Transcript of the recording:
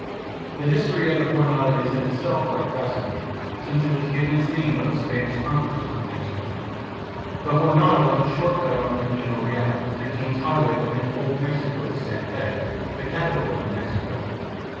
The history of the Jornada is in itself quite fascinating, since it was given its name by the Spanish conquerors of New Mexico. The Jornada was a short cut on the Camino Real, the King's Highway that linked old Mexico to Santa Fe, the capital of New Mexico.